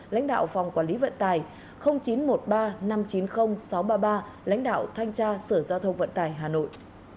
chín trăm bảy mươi hai một trăm tám mươi tám sáu trăm sáu mươi sáu lãnh đạo phòng quản lý vận tải chín trăm một mươi ba năm trăm chín mươi sáu trăm ba mươi ba lãnh đạo thanh tra sở giao thông vận tải hà nội